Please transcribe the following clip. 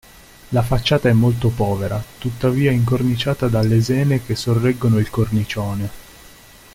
La facciata è molto povera, tuttavia è incorniciata da lesene che sorreggono il cornicione.